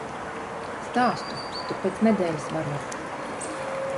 Stāstu, tur pēc nedēļas varot.